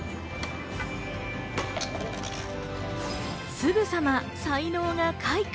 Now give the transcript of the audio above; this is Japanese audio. すぐさま才能が開花。